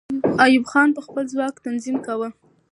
ایوب خان به خپل ځواک تنظیم کاوه.